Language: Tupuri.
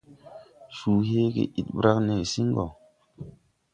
Cuu heege ii brad nesiŋ gɔ.